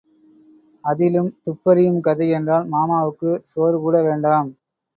அதிலும் துப்பறியும் கதை என்றால் மாமாவுக்குச் சோறுகூட வேண்டாம்.